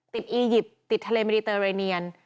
อียิปต์ติดทะเลเมริเตอร์เรเนียน